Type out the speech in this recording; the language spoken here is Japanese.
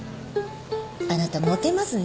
あなたモテますね。